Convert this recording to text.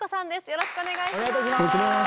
よろしくお願いします。